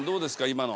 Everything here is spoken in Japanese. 今の。